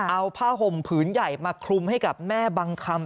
เอาผ้าห่มผืนใหญ่มาคลุมให้กับแม่บังคำ